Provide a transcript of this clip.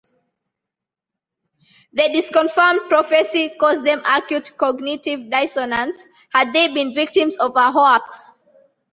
The disconfirmed prophecy caused them acute cognitive-dissonance: Had they been victims of a hoax?